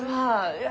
いや。